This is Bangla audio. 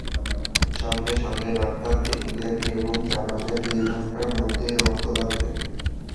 সঙ্গে সঙ্গে ডাক্তার দেখলেন এবং জানালেন, দুই ঘণ্টার মধ্যেই রক্ত লাগবে।